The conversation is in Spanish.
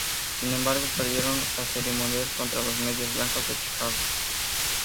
Sin embargo perdieron la Serie Mundial contra los Medias Blancas de Chicago.